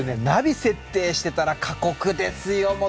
ナビ設定してたら過酷ですよ。